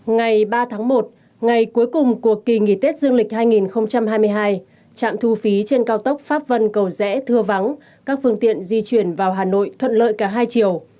ngày ba tháng một ngày cuối cùng của kỳ nghỉ tết dương lịch hai nghìn hai mươi hai trạm thu phí trên cao tốc pháp vân cầu rẽ thưa vắng các phương tiện di chuyển vào hà nội thuận lợi cả hai chiều